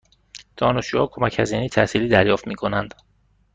دانشجوها کمک هزینه تحصیلی دریافت می کنند؟